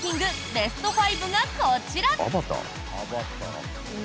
ベスト５がこちら。